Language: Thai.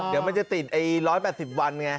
ให้ผ่านตัวเองไงเดี๋ยวมันจะติดไอ๑๘๐วันไง